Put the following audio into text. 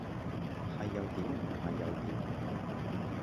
係又點唔係又點？